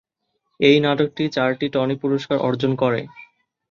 এই নাটকটি চারটি টনি পুরস্কার অর্জন করে।